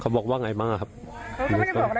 เขาบอกว่าไงบ้างอ่ะครับเขาก็ไม่ได้บอกอะไร